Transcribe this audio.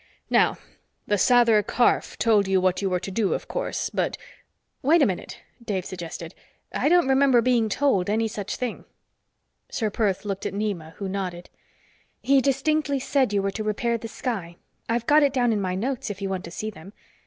Now the Sather Karf told you what you were to do, of course, but " "Wait a minute," Dave suggested. "I don't remember being told any such thing." Ser Perth looked at Nema, who nodded. "He distinctly said you were to repair the sky. I've got it down in my notes if you want to see them."